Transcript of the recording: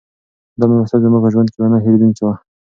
دا مېلمستیا زما په ژوند کې یوه نه هېرېدونکې وه.